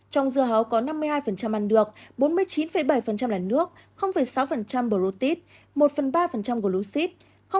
trong dưa hấu có năm mươi hai ăn được bốn mươi chín bảy là nước sáu bổ rút tít một ba gồ lũ xít